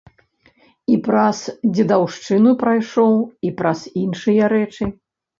І праз дзедаўшчыну прайшоў, і праз іншыя рэчы.